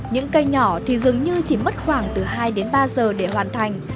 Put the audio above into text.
những cây nhỏ thì dường như chỉ mất khoảng từ hai đến ba giờ để hoàn thành